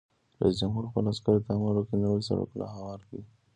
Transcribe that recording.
رئیس جمهور خپلو عسکرو ته امر وکړ؛ نوي سړکونه هوار کړئ!